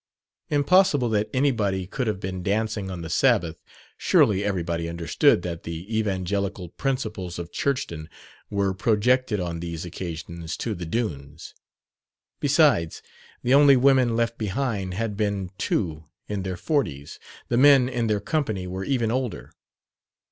Impossible that anybody could have been dancing on the Sabbath; surely everybody understood that the evangelical principles of Churchton were projected on these occasions to the dunes. Besides, the only women left behind had been two in their forties; the men in their company were even older.